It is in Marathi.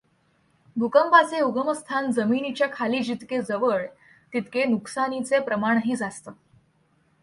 भूकंपाचे उगमस्थान जमिनीच्या खाली जितके जवळ, तितके नुकसानीचे प्रमाणही जास्त.